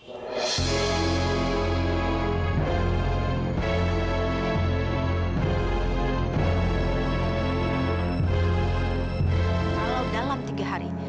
kalau dalam tiga hari